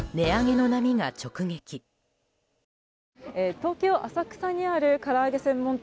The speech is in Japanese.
東京・浅草にあるから揚げ専門店。